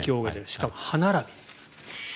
しかも歯並び。